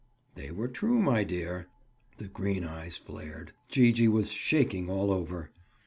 "They were true, my dear." The green eyes flared. Gee gee was shaking all over.